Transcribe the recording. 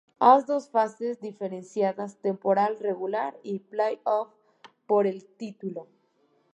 Hay dos fases diferenciadas: temporada regular y "play-off" por el título.